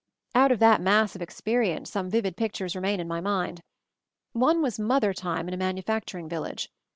Out of that mass of experience some vivid pictures remain in my mind. One was "mother time" in a manufacturing village.